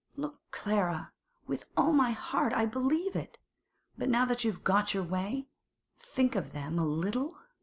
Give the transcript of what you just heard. Look, Clara! with all my heart I believe it. But now you've got your way, think of them a little.